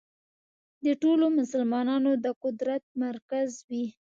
د ټولو مسلمانانو د قدرت مرکز وي.